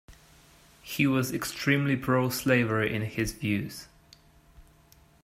He was extremely pro-slavery in his views.